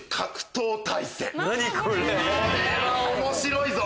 これは面白いぞ！